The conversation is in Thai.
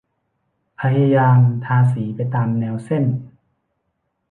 พยายามทาสีไปตามแนวเส้น